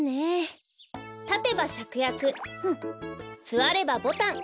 すわればボタン。